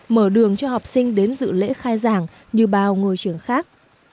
mở đường cho học sinh đến dự lễ khai giảng như bao ngôi trường khác